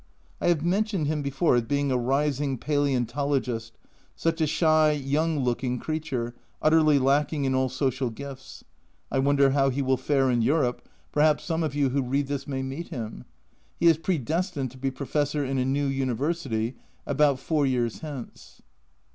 I have mentioned him before as being a rising paleontologist, such a shy, young looking creature, utterly lacking in all social gifts ; I wonder how he will fare in Europe, perhaps A Journal from Japan 109 some of you who read this may meet him. He is predestined to be professor in a new University about four years hence.